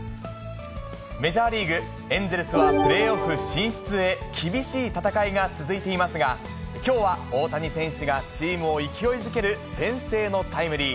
メジャーリーグ・エンゼルスは、プレーオフ進出へ、厳しい戦いが続いていますが、きょうは大谷選手がチームを勢いづける先制のタイムリー。